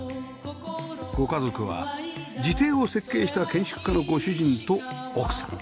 ご家族は自邸を設計した建築家のご主人と奥さん